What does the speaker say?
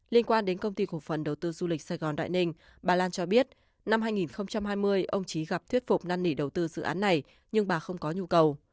liên quan đến công ty cổ phần đầu tư du lịch sài gòn đại ninh bà lan cho biết năm hai nghìn hai mươi ông trí gặp thuyết phục năn nỉ đầu tư dự án này nhưng bà không có nhu cầu